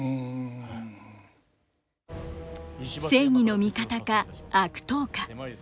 正義の味方か悪党か。